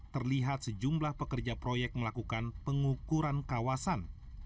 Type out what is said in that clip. terlihat sejumlah pekerja proyek melakukan pengukuran kawasan